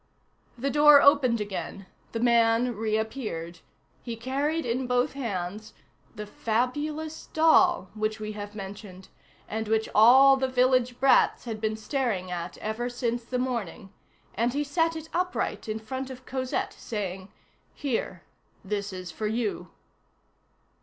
The door opened again, the man reappeared; he carried in both hands the fabulous doll which we have mentioned, and which all the village brats had been staring at ever since the morning, and he set it upright in front of Cosette, saying:— "Here; this is for you."